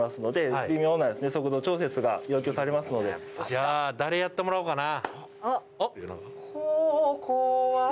じゃあ誰やってもらおうかな。